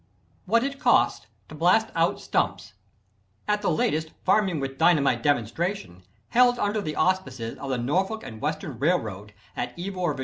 What it Costs to Blast Out Stumps. At the latest "Farming with Dynamite" demonstration, held under the auspices of the Norfolk and Western Railroad, at Ivor, Va.